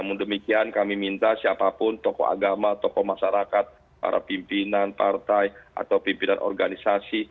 namun demikian kami minta siapapun tokoh agama tokoh masyarakat para pimpinan partai atau pimpinan organisasi